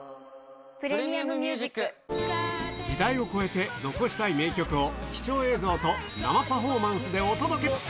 時代を超えて残したい名曲を貴重映像と生パフォーマンスでお届け！